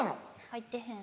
入ってへん。